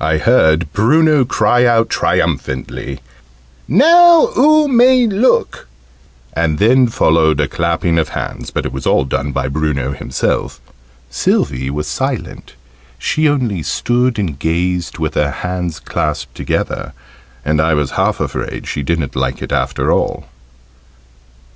I heard Bruno cry out triumphantly "Now oo may look!" and then followed a clapping of hands, but it was all done by Bruno himself. Sylvie: was silent she only stood and gazed with her hands clasped together, and I was half afraid she didn't like it after all.